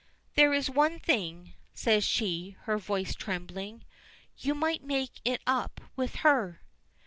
"There is one thing," says she, her voice trembling. "You might make it up with her."